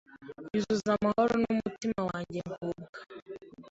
yuzuza amahoro mu mutima wanjye ngubwa